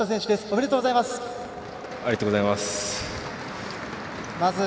おめでとうございます。